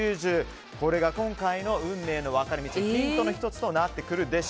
これが今回の運命の分かれ道ヒントの１つになります。